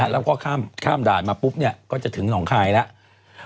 แล้วก็ข้ามด่านมาปุ๊บก็จะถึงหนองคายแล้ว